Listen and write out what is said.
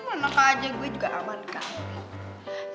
mana kajian gue juga aman kak